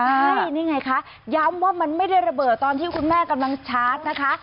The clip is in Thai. ใช่นี่ไงคะย้ำว่ามันไม่ได้ระเบิดตอนที่คุณแม่กำลังชาร์จนะคะ